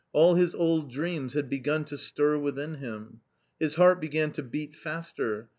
All his old dreams had begun to stir within him. His heart began to beat faster.